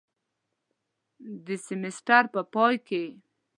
د سیمیستر په پای کې